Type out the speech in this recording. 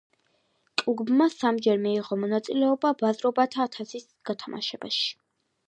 კლუბმა სამჯერ მიიღო მონაწილეობა ბაზრობათა თასის გათამაშებაში.